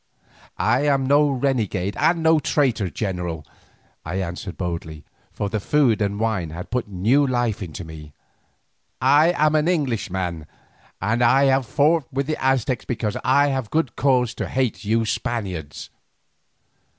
"I am no renegade and no traitor, general," I answered boldly, for the food and wine had put new life into me. "I am an Englishman, and I have fought with the Aztecs because I have good cause to hate you Spaniards."